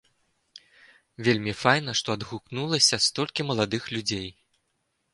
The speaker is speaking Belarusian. Вельмі файна, што адгукнулася столькі маладых людзей.